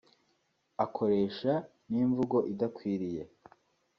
akoresha n’imvugo idakwiriye